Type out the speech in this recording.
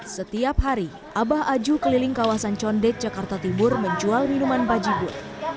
setiap hari abah aju keliling kawasan condet jakarta timur menjual minuman bajibur